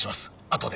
後で。